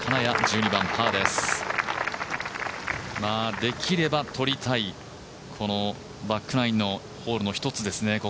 できれば取りたいバックラインのホールの一つですね。